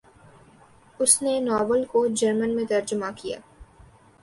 اس نے ناول کو جرمن میں ترجمہ کیا۔